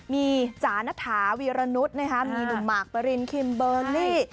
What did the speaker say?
มีจานทาวีรณุษย์นะครับมีหนุ่มหมากประรินคิมเบอร์นลี่